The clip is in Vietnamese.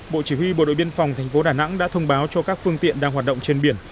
bộ chỉ huy bộ đội biên phòng tp đà nẵng đã thông báo cho các phương tiện đang hoạt động trên biển